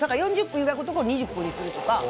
湯がくところを２０分にするとか。